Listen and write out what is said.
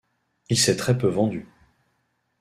Il s'est très peu vendu.